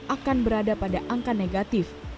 akan berada pada angka negatif